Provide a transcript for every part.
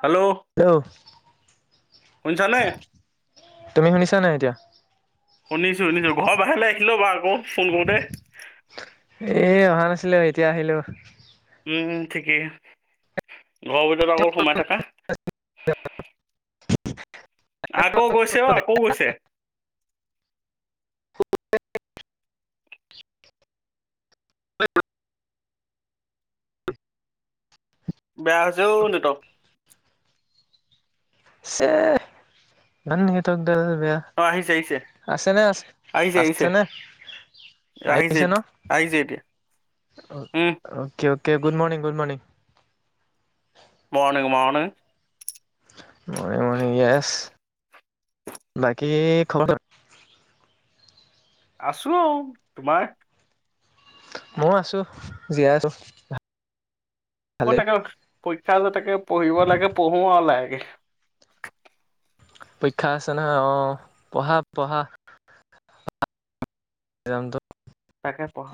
Hello hello শুনিছানে? তুমি শুনিছা নাই এতিয়া? শুনিছো শুনিছো ঘৰ বাহিৰলৈ আহিলো বাৰু আকৌ ফোন কৰোতে এ অহা নাছিলো এতিয়া আহিলো উম ঠিকেই ঘৰৰ ভিতৰত আকৌ সোমাই থাকা। [unintelligible] আ কৌও গৈছে আকৌ গৈছে। বেয়া হৈছেও নেটৱৰ্ক। সে [unintelligible] বেয়া অ আহিছে আহিছে আছে ন আছে আহিছে আহিছে -আছে ন? আহ, আহিছে ন আহিছে এতিয়া উম okay- okay good morning -good morning morning - morning মনে মনে [unintelligible] বাকী খবৰ খা। [inaudible] আছো, তোমাৰ? মইও আছো, জীয়াই আছো। মই ভালেই তাকে পৰীক্ষা যে তাকে পঢ়িব লাগে পঢ়োও লাহেকে। পৰীক্ষা আছে নহয় অ পঢ়া - পঢ়া। এমটো? তাকে পঢ়া।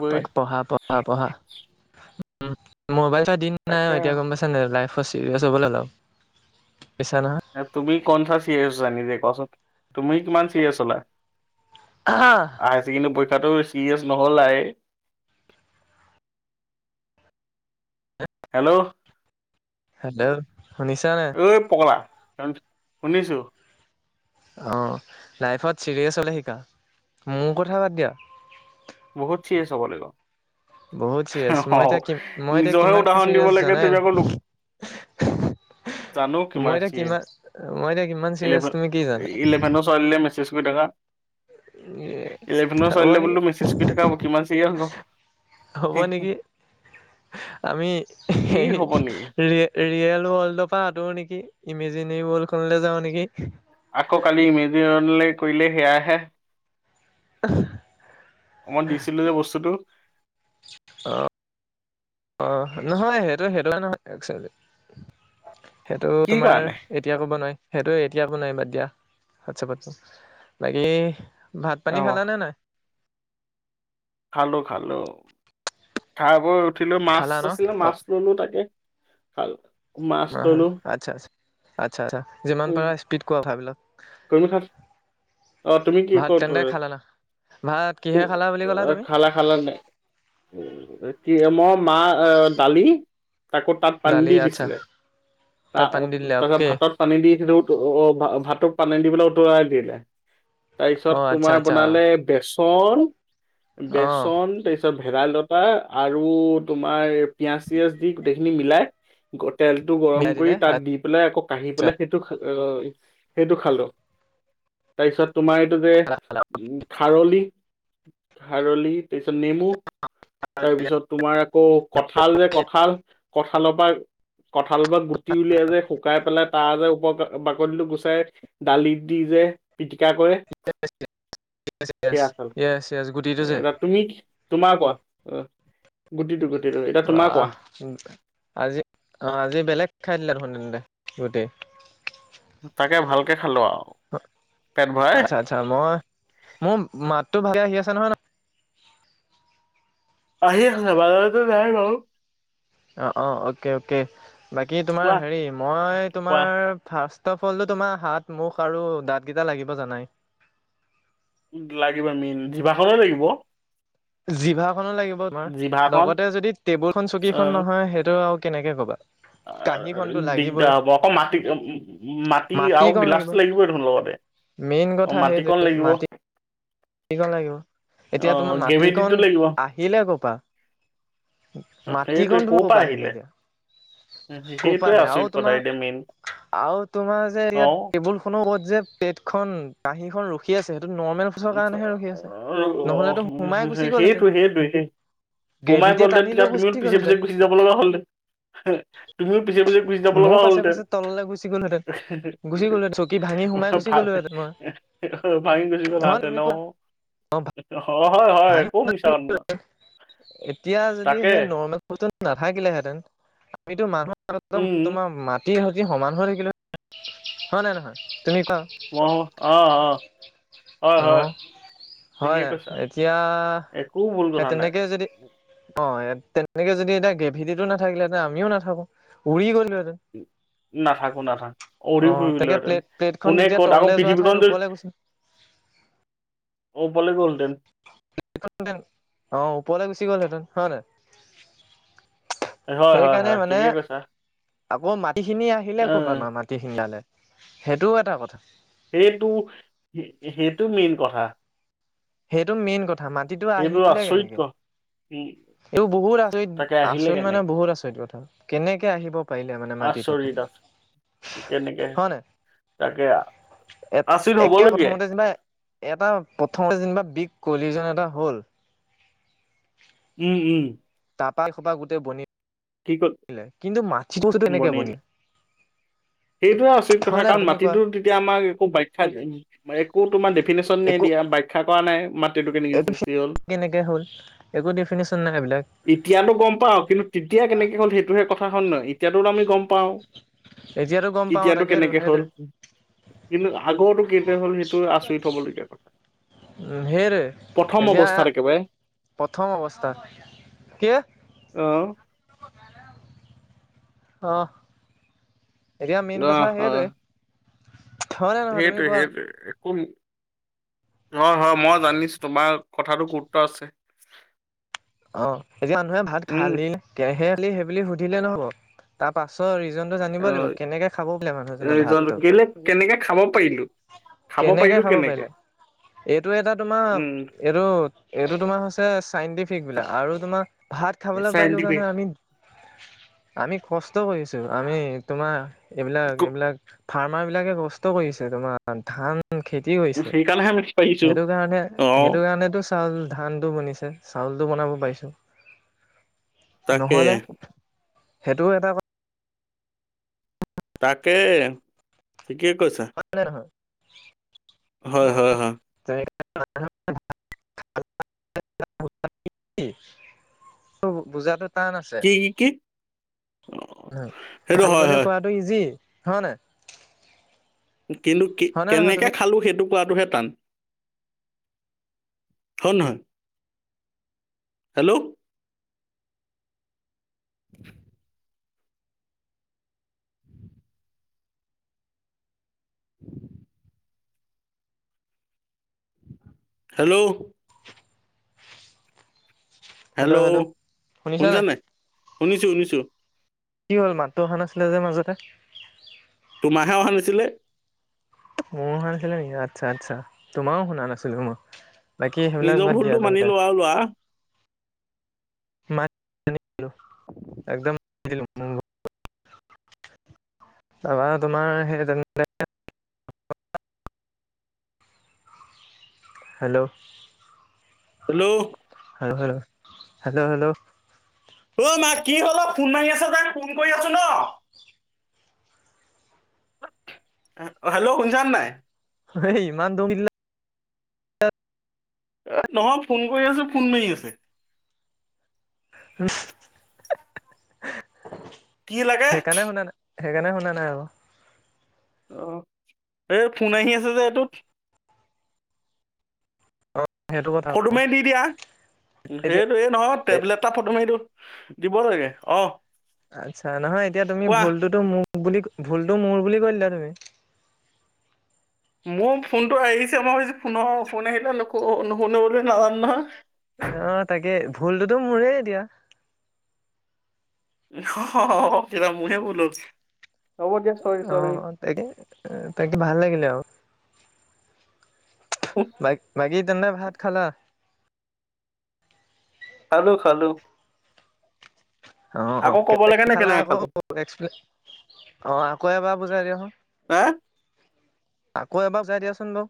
এপাক পঢ়া -পঢ়া -পঢ়া মোবাইল এটা দিন নাই তাকে এতিয়া গম পাইছ ন, লাইফত চিৰিয়াছ হ'বলৈ হল আৰু। বুজিছা নহয় এ তুমি কন চা চিৰিয়াচ হৈছা নিজে কোৱাচোন, তুমি কিমান চিৰিয়াছ হ'লা? হাইছেকেণ্ডাৰী পৰীক্ষা শিক্ষাটো চেৰিয়াছ নহ'লাই? হেল্ল' হেল্ল' শুনিছা নাই অই পগলা, শুনিছো। অ লাইফত চিৰিয়াছ হলে শিকা, মোৰ কথা বাদ দিয়া বহুত চিৰিয়াচ হব লাগিব? বহুত চিৰিয়াছ অ মই এতিয়া কি মই এতিয়া নিজৰহে কিমান উদাহৰণ দিব চিৰিয়াছ লাগে, জানাই তুমি দেখোন। আকৌ লোক [unintelligible] জানো কিমান মই এতিয়া চিৰিয়াছ, মই এতিয়া কিমান চিৰিয়াছ ইলেভেন- তুমি কি জানা? ইলেভেনৰ ছোৱালীলৈ মেছেজ মেজ কৰি থাকা, ইলেভেনৰ হ'ব ছোৱালীলে নেকি বোলো মেছেজ কৰি থাকা, কিমান চিৰিয়াছ গম হ'ব নেকি? আমি এই কি হ'ব নেকি ৰিয়েল-ৰিয়েল ৱৰ্ল্ডৰ পৰা আতৰো নেকি? ইমেজিনেৰি ৱৰ্ল্ডখনলে যাওঁ নেকি? আকৌ কালি ইমেজনেৰি ৱৰ্ল্ডলে কৰিলে সেয়াহে। [unintelligible] অকমান দিছিলোঁ যে বস্তুটো। অ'। অ', নহয় সেইটো-সেইটো লাইনৰ নহয়। একচেল সেইটো কি তোমাৰ কাৰণে এতিয়া ক'ব নোৱাৰি। সেইটো এতিয়া একো নাই বাদ দিয়া, হোৱাটছএপতো ক'ম। বাকী ভাত পানী অহ খালানে, নাই? খালো খালো, খাই বৈ উঠিলো। মাছ খালা ন আছিলে অ মাছ ললো তাকে খাল হয় হয়। আচ্ছা আচ্ছা। আচ্ছা যিমান পাৰা স্পীড কোৱা কথাবিলাক। তুমি খাত, অ' তুমি কি ভাত ক'ত তেন্তে খালা না? ভাত কিহে খালা বুলি ক'লা তুমি? খালা খালা নে নাই? কি মই মাহ আ, দালি। তাকো তাত পানী দালি দি আচ্ছা দিছিলে, ত তাত পানী দি দিলে -তাৰপিছত অকে ভাতত পানী দিছিলোঁ। ভাতটো পানী দি পেলাই উতাই দিলে, তাৰ পিছত অ' আচ্ছা তোমাৰ আচ্ছা বনালে বেচন চন, অ' বেচন তাৰপিছত ভেদাইলতা আৰু তোমাৰ পিয়াজ চিয়াজ দি গোটেইখিনি মিলাই গ তেলটো গৰম মিলাই দিলে কৰি তাত দি পেলাই আকৌ কাঢ়ি আচ্ছা পেলাই সেইটো খা সেইটো খালোঁ, তাৰপিছত তোমাৰ এইটো যে উ, খাৰলি খাৰলি তাৰপিছত নেমু। তাৰপিছত তোমাৰ আকৌ কঠাল যে য়েছ কঠাল কঠালৰপা কঁঠালপা গুটি উলিয়াই যে শুকাই পেলাই তাৰ যে উপ বাকলিটো গুচাই দালিত দিযে পিটিকা কৰে সেয়া চল য়েছ য়েছ গুটিটো যে এ, তুমি তোমাৰ কোৱা? অ'। গুটিটো গুটিটো এতিয়া বা, তোমাৰ কোৱা আজি অ' আজি বেলেগ খাই দিলা দেখোন তেন্তে। গোটেই তাকে ভালকে খালো আৰু পেট ভৰাই আচ্ছা আচ্ছা, মই মোৰ মাতটো ভালকে আহি আছে নহয় ন'? আহি আছে। বাজাৰতাই যায় লওঁ। অ', অ' অকে অকে, বাকী তোমাৰ কোৱা হেৰি মই কোৱা তোমাৰ ফাৰ্ষ্ট তফলটো তোমাৰ হাত, মুখ আৰু দাঁতকেইটা লাগিব জানাই। লাগিব মেইন, জিভাখনো লাগিব। জিভাখনো লাগিব তোমাৰ, জিভাখন লগতে যদি টেবুলখন চকীখন আহ নহয় সেইটো কেনেকে ক'বা? কাঁহীখনতো দিগদাৰ লাগিবই হ'ব আকৌ। মাটি মাটি আৰু মাটিকণ লাগিব গিলাচটো লাগিবই দেখোন লগতে। মেইন অ কথা সেইটো মাটিকণ লাগিব মাটিত সেইখন লাগিব। অ এতিয়া তোমাৰ মাটিকন গ্ৰেভিটিটো লাগিব আহিলে ক'ৰপা? মাটিকন তোমাৰ ক'ৰপা আহিলে এতিয়া? ক'পা সেইটোয়ে আৰু আচৰিত তোমাৰ কথা এতিয়া মেইন। আৰু তোমাৰ যে অ ইয়াত টেবুলখনৰ ওপৰত যে পেটখন কাঁহীখন ৰখি আছে, সেইটো নৰ্মেল। ফচৰ আ, কাৰণেহে ৰখি আছে। ৰ, নহ'লেতো সোমাই গুচি আৰু গ'লহেঁতেন সেইটো সেইটোৱেই। সোমাই গ্ৰেভিটিয়ে গ'লহেঁতেন টানি লৈ তেতিয়া তুমিও গুচি পিছে পিছে গ'লহেঁতেন গুচি যাব লগাহ'লহেঁতেন। তুমিও পিছে পিছে গুচি যাব ময়ো পাছে লগাহ'লহেতেন। পাছে তললৈ গুচি গ'লোহেঁতেন গুচি গ'লো চকী ভাঙি সোমাই গুচি ভাল, গ'লোহেঁতেন মই ভাঙি গুচি হয় গলহেঁতেন তুমি ন' কোৱা অ'। অ হয় হয়। ভাঙি ক'ত মিছা কথানো। এতিয়া যদি সেই নৰ্মেল ফটো নাথাকিলেহেঁতেন আমিতো মানুহৰ আগত একদম উম তোমাৰ মাটি খাতি সমান হৈ থাকিলো হয় নাই নহয়? তুমি কোৱা মই অ হয় হয় অ', ঠিকে হয় কৈছা এতিয়া একো ভুল সেই কথা নাই তেনেকৈ যদি অ', তেনেকে যদি এতিয়া গ্ৰেভিটিটো নাথাকিলেহেঁতেন আমিও নাথাকো উৰি গলোহেঁতেন। নাথাকো নাথাকো অ অৰি তাকে ফুৰিবলোহেঁতেন, প্লেট প্লেটখন কোনে তেতিয়া ক'ত আকৌ তললে যোৱা ঠাইত পৃথিৱীখন যে ওপৰলে গুচি অ', বলে গলদেন। তেন অ, ওপৰলৈ গুচি গ'ল হেঁতেন হয় নাই? হয় হয় সেইকাৰণে হয় মানে ঠিকে কৈছা আকৌ মাটিখিনি আহিলে অ কৰ'ব মাটিখিডালে সেইটো এটা কথা। সেইটো সেইটো মেইন কথা। সেইটো মেইন কথা মাটিতো সেইটো আহিলে আচৰিত ক কেনেকে? উম এই বোৰ বহুত আচৰিত তাকে আহিলে আচৰিত মানে কেনেকে বহুত আচৰিত কথা, কেনেকে আহিব পাৰিলে মানে মাটিটো। আচৰিত আচ কেনেকে হয় নাই তাকে এ আচৰিত একে হবলগীয়াই প্ৰথমতে যেনিবা এটা প্ৰথম যেনিবা বিগ কহলিজন এটা হ'ল। উম, উম, তাপা সোপা গোটেই বনি কি ক কিন্তু মাটিতো বস্তুটো কেনেকে বনিল? সেইটোৱে উচিত কথা হয় নে নহয় কাৰণ তুমি কোৱা মাটিটো তেতিয়া আমাৰ একো ব্যাখ্যা, একো তোমাৰ ডেফিনিছন নি দিয়ে ব্যাখ্যা কৰা নাই মাটিটো কেনেকে এইটো সৃষ্টি হ'ল কেনেকে হল একো ডেফিনিছন নাই সেইইবিলাক। এতিয়াটো গম পাওঁ, কিন্তু তেতিয়া কেনেকে হ'ল সেইটোহে কথা হয় নহয়, এতিয়াটো আমি গম পাওঁ। এতিয়াতো গম পাওঁ এতিয়াটো তাকেইতো কেনেকে হ'ল? সেইটোৱে কিন্তু আগৰতো কেতিয়া হ'ল সেইটো আচৰিত হব লগীয়া কথা। সেইটোৱে প্ৰথম এতিয়া অৱস্থাত একেবাৰে প্ৰথম অৱস্থা কি অ', অ', এতিয়া মেইন অ কথা হয় সেইটোৱে হয় নে নহয় তুমি সেইটোৱে কোৱা সেইটোৱে একো হয়, হয়, মই জানিছো তোমাৰ কথাটো গুৰুত্ব আছে। অ', এতিয়া মানুহে ভাত উম খালি কেহে খালি সেইবুলি সুধিলে নহব তাৰ পাছত টো জানিব অ লাগিব কেনেকে খাব বোলে মানুহ এজনে ৰিজনটো ভাতটো। কেলে কেনেকে খাব পাৰিলো খাব কেনেকে পাৰিলো খাব পাৰিলে? এইটো এটা তোমাৰ উম এইটো এইটো তোমাৰ হৈছে চাইণ্টিফিক আৰু তোমাৰ ভাত খাবলৈ পাৰিলো কাৰণে চাইণ্টিফিক আমি আমি কষ্ট কৰিছো আমি তোমাৰ এইবিলাক এইবিলাক ফাৰ্মাৰ বিলাকে কষ্ট কৰিছে তোমাৰ ধান উম, খেতি হৈছে, সেইকাৰণেহে আমি পাৰিছো সেইটো কাৰণে অ সেইটো কাৰণেতো চাউল ধানটো বনিছে। চাউলটো বনাব পাৰিছো তাকে নহলে সেইটো এটা কথা। তাকে ঠিকে কৈছা। [inaudible] হয়, হয়, হয়, [inaudible] ত' বুজাটো টান আছে। কি কি কি সেইটো হয় খাইিবলৈ হয় কোৱাটো ইজি হয় নে? কিন্তু হয় নহয় কেনেকে তুমি খালোঁ সেইটো পোৱাটোহে টান হয় নহয় হেল্ল' [inaudible] উম হেল্ল' হেল্ল', শুনিছ নাই, শুনিছো শুনিছো। কি হ'ল, মাতটো অহা নাছিলে যে মাজতে? তোমাৰহে অহা নাছিলে। মোৰো অহা নাছিলে নেকি, আচ্ছা আচ্ছা, তোমাৰো শুনা নাছিলো মই। বাকী সেইবিলাক নিজৰ বাদ দিয়া ভুলটো মানি তেন্তে। লোৱা আৰু লোৱা [unintelligible] একদম [unintelligible] তাৰপৰা তোমাৰ [unintelligible] hello hello hello hello, hello hello অ' মা, কি হ'ল অ', ফোন মাৰি আছে যে, ফোন কৰি আছো ন। হেল্ল', শুনিছানে নাই? হে, ইমান দম দিলা এ নহয়, ফোন কৰি আছোঁ, ফোন মাৰি আছে। কি লাগে সেইকাৰণে শুনা নাই সেইকাৰণে শুনা নাই আকৌ। অ', এই ফোন আহি আছে যে এইটোত। সেইটো কথা ফটো মাৰি দি দিয়া, এতিয়া সেইটোৱে, নহয় এ টেবলেট এটা ফটো মাৰি দি দিব লাগে, অ'। আচ্ছা, নহয় এতিয়া তুমি কোৱা ভুলতোতো মোৰ বুলি, ভুলটো মোৰ বুলি কৈ দিলা তুমি। মোৰ ফোনটো আহিছে, মই ভাৱিছোঁ, ফোন-ফোন আহিলে নুশুনে বুলি নাজানো নহয়। অ' তাকে, ভুলটোতো মোৰে এতিয়া। এতিয়া মোৰহে ভুল হ'ল। হ'ব দিয়া চৰি চৰি অ' তাকে, তাকে ভাল লাগিলে আৰু। বাক-বাকী তেন্তে ভাত খালা? খালোঁ খালোঁ। অ' লাগে নে অ' কেনেকে খালো [unintelligible] অ', আকৌ এবাৰ বুজাই হা দিয়াচোন। আকৌ এবাৰ বুজাই দিয়াচোন বাৰু,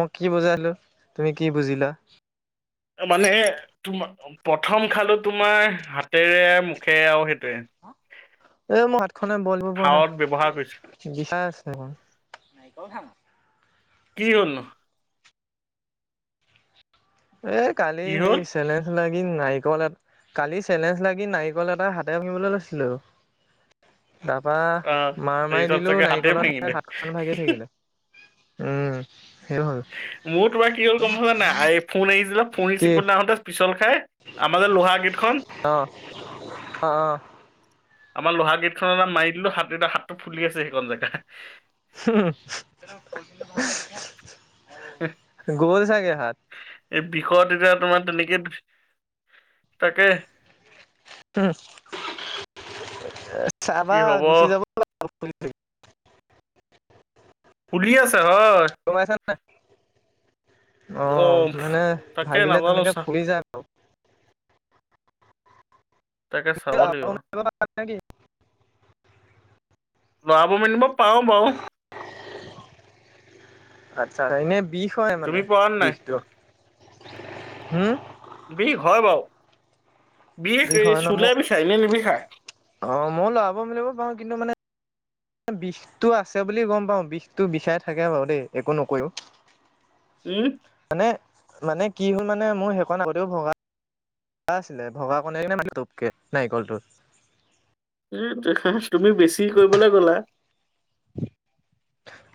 মই কি বুজালো, তুমি কি বুজিলা। মানে তোমাৰ, প্ৰথম খালো তোমাৰ হাতেৰে, মুখে আৰু সেইটোৱে। এ মোৰ হাত খনে বল দিব পৰা খাৱত ব্যৱহাৰ কৰিছো নাই, বিষাই আছে। [inaudible] নাৰিকল ভাঙ? কি হ'লনো? এ কালি কি হেৰি, হ'ল চেলেঞ্জ লাগ নাৰিকল এট, কালি চেলেঞ্জ লাগি নাৰিকল এটা হাতে ভঙিবলৈ লৈছিলো। তাৰাপৰা, আহ মাৰ মাৰি তাৰপিছত দিলোঁ, চাগে হাতে নাৰিকলৰ ঠাইত ভাঙিলে হাতখন ভাগি থাকিলে। উম। সেইটো হ'ল মোৰ তোমাৰ কি হ'ল গম পাইছা নাই, ফোন আহিছিল যে ফোন কি ৰিচিভ কৰিবলৈ আহোঁতে পিছল খাই, আমাৰ যে লোহাৰ গে'টখন অ অ অ আমাৰ লোহাৰ গে'টখনৰ তাত মাৰি দিলোঁ, হাত এটা, এতিয়া হাতটো ফুলি আছে সেইকন জেগা। [inaudible] গ'ল চাগে হাত। এই বিষত এতিয়া তোমাৰ তেনেকে, তাকে। উম কি চাবা হব গুচি যাব [unintelligible] ফুলি আছে হয়। গম পাইছা নাই? অ', মানে তাকে ভাগিলে নাজানো তেনেকে চা ফুলি যায় বাৰু। তাকে চাব লাগিব [unintelligible] নেকি? লৰাব মেলিব পাৰোঁ বাৰু। আচ্ছা এনে বিষ হয় মানে, তুমি পৰা নাই বিষটো হম। বিষ হয় বাওঁ। বিষ হয় ন চুলে মোৰ বিষাই এনে নিবিষায়। অ' ময়ো লৰাব মেলিব পাৰো কিন্তু মানে বিষটো আছে বুলি গম পাওঁ, বিষটো বিশাই থাকে বাৰু দেই, একো নকৰিও। উম মানে, মানে কি হ'ল মানে, মোৰ সেইকন আগতেও ভগা। ভগা আছিলে, ভগা কণ [unintelligible] নাৰিকলটোত। [unintelligible] তুমি বেছি কৰিবলৈ গ'লা।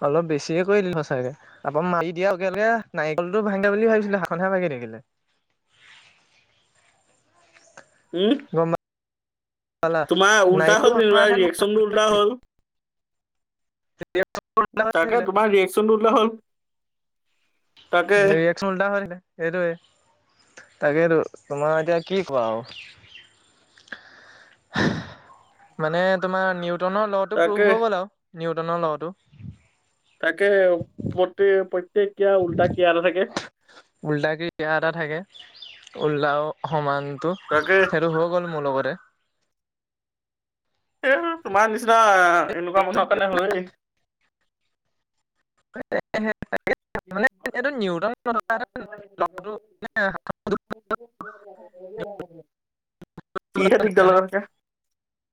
অলপ বেছিয়ে কৰি দিলো সঁচাকে, আকৌ মাৰি দিয়া লগে, লগে নাৰিকলটো ভাঙে বুলি ভাবিছিলো, হাতখনহে ভাাগি থাকিলে। উম, গম পালা তোমাৰ উল্টা নাৰিকল হ'ল, ভঙা যেনিবা ঠাইত ৰিয়েকচনটো উল্টা হ'ল। উল্টা হৈ তাকেই থাকিলে তোমাৰ ৰিয়েকচনটো উল্টা হ'ল। তাকে ৰিয়েক্টচনটো উল্টা হৈ থাকিলে সেইটোয়ে। তাকেটো তোমাৰ এতিয়া কি কোৱা আৰু। মানে তোমাৰ নিউ ল'টো তাকে প্ৰুভ হৈ গ'ল আৰু নিউটনৰ ল'টো। তাকে প্ৰ-প্ৰতেইক কিয়া উল্টা কিয়া এটা থাকে। উল্টাকে ক্ৰী এটা থাকে উল্টাও সমান। টো তাকে সেইটো হৈ গ'ল, মোৰ লগতে। এই তোমাৰ নিচিনা এনেকুৱা মানুহৰ কাৰণে হয়েই। তাকেইহে। [unintelligible] হেতেন [unintelligible]